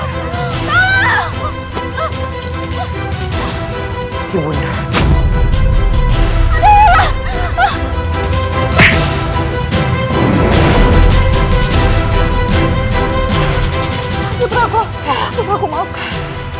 putraku putraku maafkan